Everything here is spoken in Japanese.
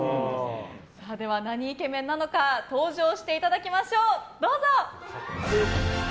何イケメンなのか登場していただきましょう。